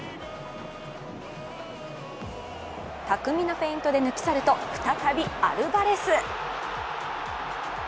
巧みなフェイントで抜きさると、再びアルバレス。